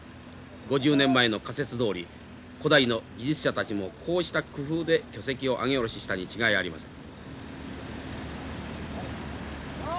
５０年前の仮説どおり古代の技術者たちもこうした工夫で巨石を上げ下ろししたに違いありません。